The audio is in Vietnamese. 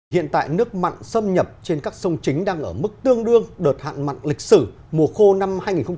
hiện tại nước mặn xâm nhập trên các sông chính đang ở mức tương đương đợt hạn mặn lịch sử mùa khô năm hai nghìn một mươi năm hai nghìn một mươi sáu